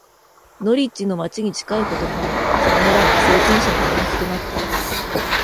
ノリッジの街に近いこともあり、その村は通勤者に人気となった。